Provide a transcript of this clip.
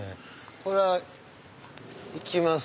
これは行きます。